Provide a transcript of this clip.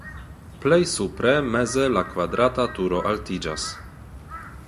Plej supre meze la kvadrata turo altiĝas.